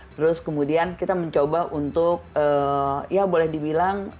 terus kemudian kita mencoba untuk ya boleh dibilang